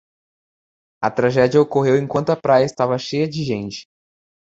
A tragédia ocorreu enquanto a praia estava cheia de gente.